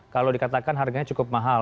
kalau dikatakan harganya cukup mahal